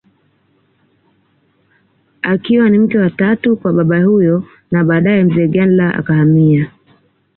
Akiwa ni mke wa tatu kwa baba huyo na badae mzee Gandla akahamia